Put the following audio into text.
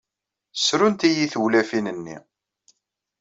Ssrunt-iyi tewlafin-nni.